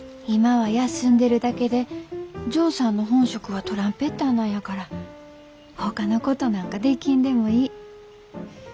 今は休んでるだけでジョーさんの本職はトランペッターなんやからほかのことなんかできんでもいい。